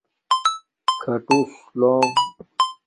کھاٹوس لوم